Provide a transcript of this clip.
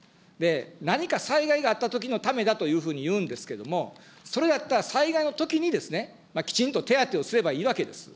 何か災害があったときのためだというふうに言うんですけれども、それだったら、災害のときにですね、きちんと手当をすればいいわけです。